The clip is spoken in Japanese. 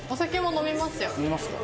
飲みますか？